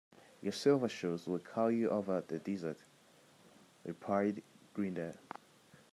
"Your Silver Shoes will carry you over the desert," replied Glinda.